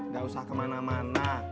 gak usah kemana mana